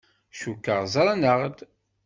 Cukkeɣ ẓran-aɣ-d.